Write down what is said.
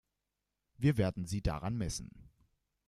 Wir werden Sie daran messen.